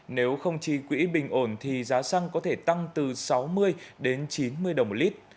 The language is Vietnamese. nếu không trì quỹ bình ổn thì giá xăng có thể tăng từ sáu mươi đến chín mươi đồng một lít